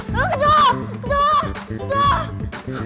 kecualah kecualah kecualah